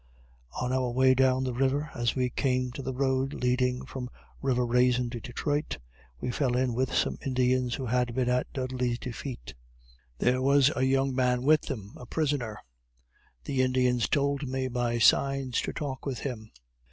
On our way down the river, as we came to the road leading from river Raisin to Detroit, we fell in with some Indians who had been at Dudley's defeat. There was a young man with them, a prisoner; the Indians told me by signs to talk with him.